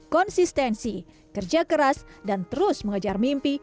konsistensi kerja keras dan terus mengejar mimpi